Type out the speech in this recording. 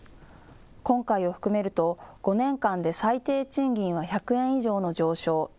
今回を含めると５年間で最低賃金は１００円以上の上昇。